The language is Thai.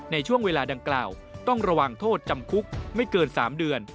ในช่วงเวลาดังกล่าวต้องระวังโทษจำคุกไม่เกิน๓เดือน